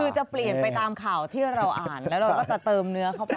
คือจะเปลี่ยนไปตามข่าวที่เราอ่านแล้วเราก็จะเติมเนื้อเข้าไป